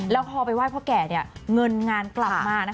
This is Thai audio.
แล้วพอไปไห้พ่อแก่เงินงานกลับมา